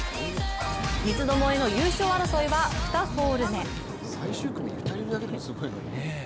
三つどもえの優勝争いは２ホール目。